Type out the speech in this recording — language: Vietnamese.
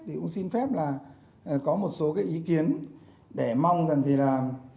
thì cũng xin phép là có một số cái ý kiến để mong rằng thì làm